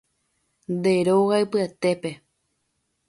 Nde róga ypyetépe